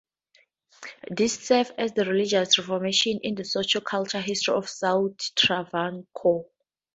This serves as a religious reformation in the socio-cultural history of South Travancore.